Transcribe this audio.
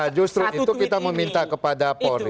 nah justru itu kita meminta kepada polri